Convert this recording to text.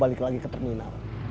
balik lagi jadi anak wakobang